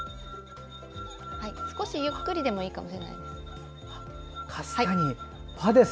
少しゆっくりでもいいかもしれないです。